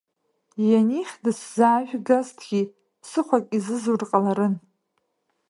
Ианихь дысзаажәгазҭгьы, ԥсыхәак изызур ҟаларын.